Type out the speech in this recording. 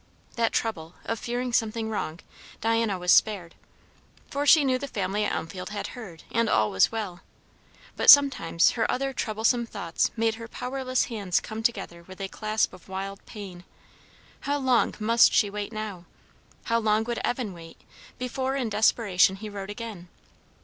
That trouble, of fearing something wrong, Diana was spared; for she knew the family at Elmfield had heard, and all was well; but sometimes her other troublesome thoughts made her powerless hands come together with a clasp of wild pain. How long must she wait now? how long would Evan wait, before in desperation he wrote again?